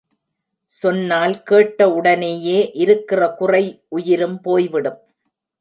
சொன்னால் கேட்ட உடனேயே இருக்கிற குறை உயிரும் போய் விடும்!